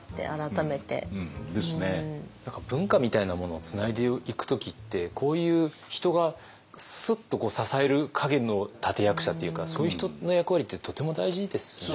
何か文化みたいなものをつないでいく時ってこういう人がスッと支える陰の立て役者っていうかそういう人の役割ってとても大事ですよね。